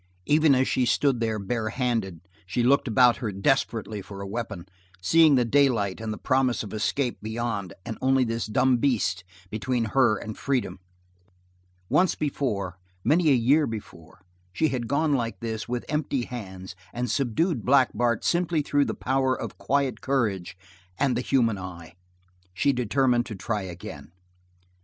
Even as she stood there barehanded she looked about her desperately for a weapon, seeing the daylight and the promise of escape beyond and only this dumb beast between her and freedom. Once before, many a year before, she had gone like this, with empty hands, and subdued Black Bart simply through the power of quiet courage and the human eye. She determined to try again.